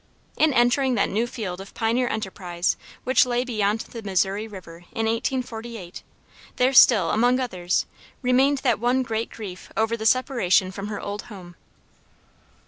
In entering that new field of pioneer enterprise which lay beyond the Missouri River in 1848, there still, among others, remained that one great grief over the separation from her old home.